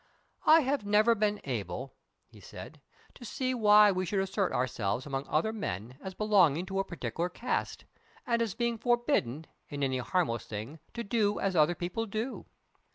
"I have never been able," he said, "to see why we should assert ourselves among other men as belonging to a particular caste, and as being forbidden, in any harmless thing, to do as other people do.